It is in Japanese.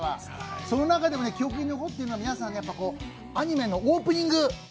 その中でも記憶に残っているのはアニメのオープニング。